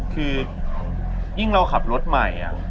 คือยิ่งเราขับรถใหม่